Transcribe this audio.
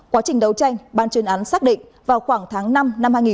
quá trình đấu tranh ban chuyên án xác định vào khoảng tháng năm năm hai nghìn một mươi sáu